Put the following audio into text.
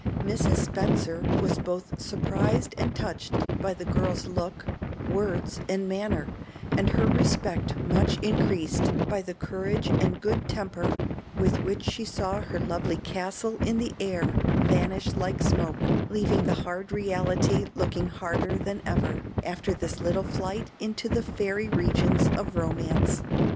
Mrs. Spenser was both surprised and touched by the girl's look, words, and manner, and her respect much increased by the courage and good temper with which she saw her lovely castle in the air vanish like smoke, leaving the hard reality looking harder than ever, after this little flight into the fairy regions of romance.